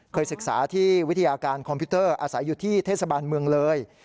ศึกษาที่วิทยาการคอมพิวเตอร์อาศัยอยู่ที่เทศบาลเมืองเลย